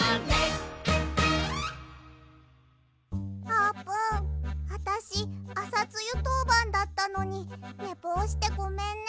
あーぷんあたしアサツユとうばんだったのにねぼうしてごめんね。